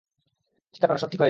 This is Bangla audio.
চিন্তা কোরো না, সব ঠিক হয়ে যাবে।